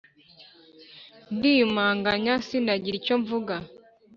ndiyumanganya sinagira icyo mvuga;